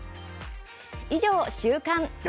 以上、週刊。